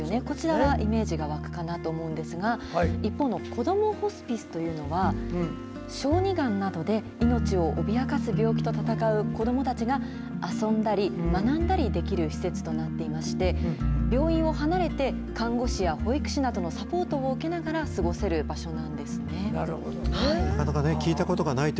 こちらはイメージが湧くかなと思うんですが、一方の、こどもホスピスというのは、小児がんなどで命を脅かす病気と闘う子どもたちが、遊んだり学んだりできる施設となっていまして、病院を離れて、看護師や保育士などのサポートを受けながら過ごせる場所なんですなるほどね。